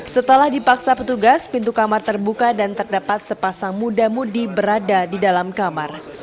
setelah dipaksa petugas pintu kamar terbuka dan terdapat sepasang muda mudi berada di dalam kamar